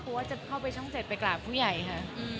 ปูจะเข้าไปช่องเจ็ดไปกล่าวผู้ใหญ่ค่ะ